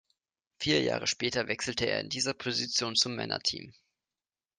Vier Jahre später wechselte er in dieser Position zum Männerteam.